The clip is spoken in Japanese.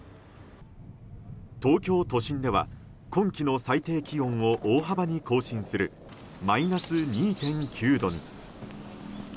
東京都心では今季の最低気温を大幅に更新するマイナス２．９度に。